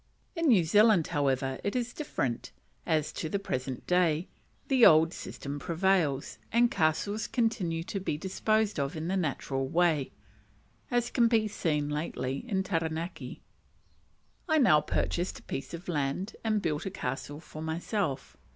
In New Zealand, however, it is different, as, to the present day, the old system prevails, and castles continue to be disposed of in the natural way, as has been seen lately at Taranaki. I now purchased a piece of land and built a "castle" for myself.